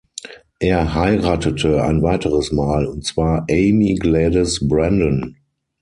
Er heiratete ein weiteres Mal, und zwar Aimee Gladys Brendon.